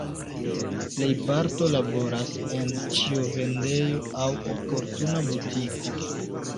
Plejparto laboras en ĉiovendejo aŭ oportuna butiko.